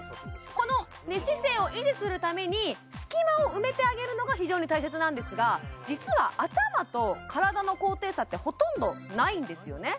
この寝姿勢を維持するために隙間を埋めてあげるのが非常に大切なんですが実は頭と体の高低差ってほとんどないんですよね